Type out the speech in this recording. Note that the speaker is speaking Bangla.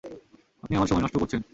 আপনি আমার সময় নষ্ট করছেন।